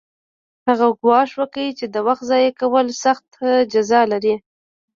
هغه ګواښ وکړ چې د وخت ضایع کول سخته جزا لري